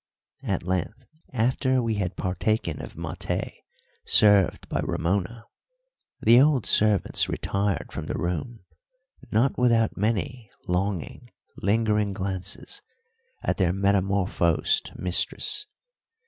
At length, after we had partaken of maté served by Ramona, the old servants retired from the room, not without many longing, lingering glances at their metamorphosed mistress.